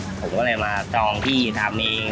ผมก็เลยมาจองที่ทำเอง